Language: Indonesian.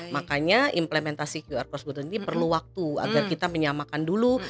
makanya implementasi qr proskuternya perlu waktu agar kita menyamakan dulu